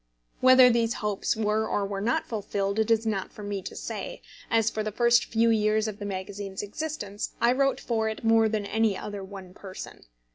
Whether these hopes were or were not fulfilled it is not for me to say, as, for the first few years of the magazine's existence, I wrote for it more than any other one person.